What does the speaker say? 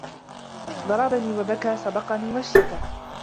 ضربني وبكى وسبقني واشتكى